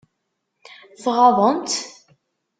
Tɣaḍem-tt?